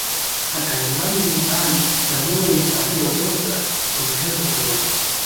عقلمن انسانان له نورو انساني ډولونو سره توپیر درلود.